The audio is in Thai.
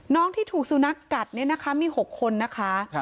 น้องที่ถูกสู่นักกัดมี๖ค่ะ